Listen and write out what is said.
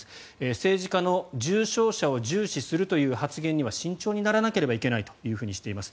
政治家の重症者を重視するという発言には慎重にならなければいけないというふうにしています。